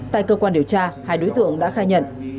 tại cơ quan điều tra hai đối tượng đã khai nhận